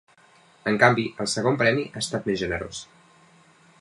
En canvi, el segon premi ha estat més generós.